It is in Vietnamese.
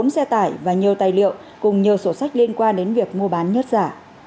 bốn xe tải và nhiều tài liệu cùng nhiều sổ sách liên quan đến việc mua bán nhất giả